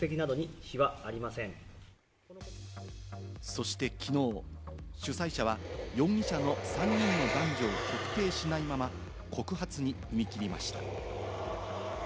そしてきのう、主催者は容疑者の３人の男女を特定しないまま告発に踏み切りました。